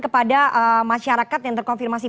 kepada masyarakat yang terkonfirmasi